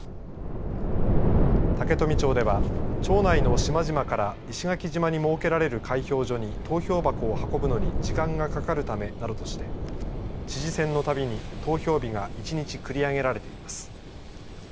竹富町では町内の島々から石垣島に設けられる開票所に投票箱を運ぶのに時間がかかるためなどとして知事選のたびに投票日が１日繰り上げられています。